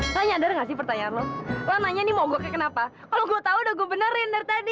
lu nyadar gak sih pertanyaan lu lu nanya nih mogoknya kenapa kalau gue tahu udah gue benerin dari tadi